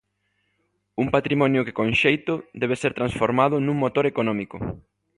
Un Patrimonio que con xeito debe ser transformado nun motor económico.